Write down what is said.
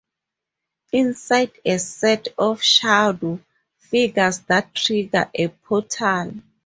Inside is a set of shadow figures that trigger a portal.